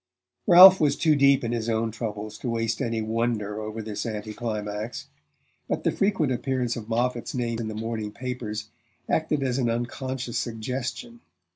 Ralph was too deep in his own troubles to waste any wonder over this anticlimax; but the frequent appearance of Moffatt's name in the morning papers acted as an unconscious suggestion.